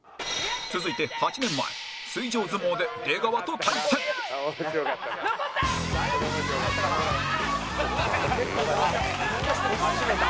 続いて８年前水上相撲で出川と対戦のこった！